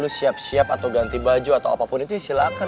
lu siap siap atau ganti baju atau apapun itu ya silahkan